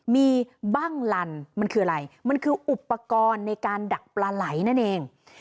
มีบ้างลันมันคืออะไรมันคืออุปกรณ์ในการดักปลาไหลนั่นเอง